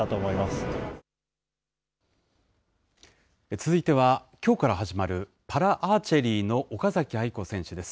続いては、きょうから始まるパラアーチェリーの岡崎愛子選手です。